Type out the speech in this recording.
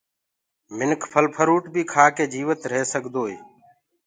انسآن ڦل ڦروٽ بي کآڪي جيوت ريه سگدوئي